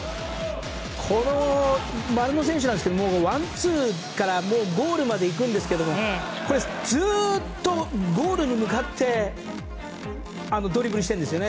前の選手ですがワンツーからゴールまで行くんですがずっとゴールに向かってドリブルしているんですよね。